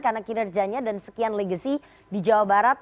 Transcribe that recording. karena kinerjanya dan sekian legacy di jawa barat